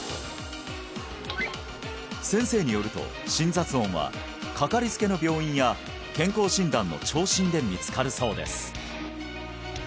先生によると心雑音はかかりつけの病院や健康診断の聴診で見つかるそうです